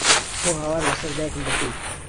بۆ هاوار بەسەر دایکم دەکەیت؟!